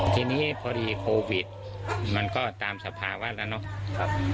ทีนี้พอดีโควิดมันก็ตามสภาวะแล้วเนาะ